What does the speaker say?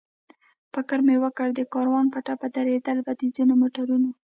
فکر مې وکړ چې د کاروان په ټپه درېدل به د ځینو موټرو.